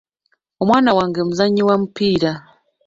Omwana wange muzannyi wa mupiira.